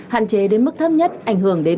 hạn chế đến mức thấp nhất ảnh hưởng đến